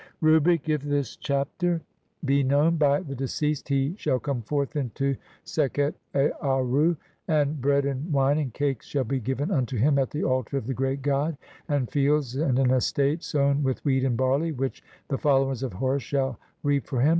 Rubric : if this chapter be known [by the deceased] he shall COME FORTH INTO SEKHET AARRU, (38) AND BREAD, AND WINE, AND CAKES SHALL BE GIVEN UNTO HIM AT THE ALTAR OF THE GREAT GOD, AND FIELDS, AND AN ESTATE [SOWN] WITH WHEAT AND BARLEY, WHICH THE FOLLOWERS OF HORUS SHALL (3g) REAP FOR HIM.